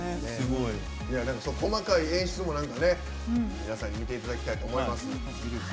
細かい演出も皆さんに見ていただきたいと思います。